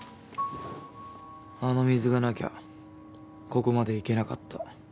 あの水がなきゃここまでいけなかった。